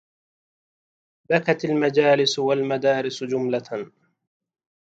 بكت المجالس والمدارس جملة